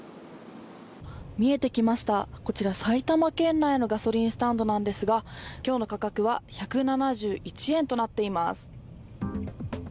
見えてきました、こちら埼玉県内のガソリンスタンドなんですが今日の価格は１７１円となっています。